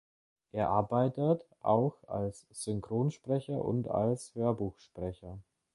Er arbeitet auch als Synchronsprecher und als Hörbuchsprecher.